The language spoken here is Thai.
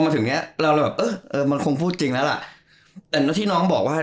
มึงเลือกกิน